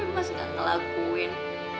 mas jangan diomongin